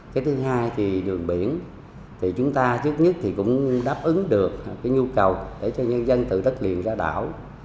cái thứ hai thì đường biển thì chúng ta trước nhất thì cũng đáp ứng được cái nhu cầu để cho nhân dân từ đất liền ra đảo